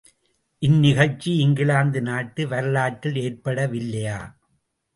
இந்நிகழ்ச்சி இங்கிலாந்து நாட்டு வரலாற்றில் ஏற்பட வில்லையா?